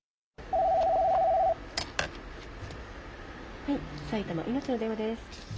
☎はい「埼玉いのちの電話」です。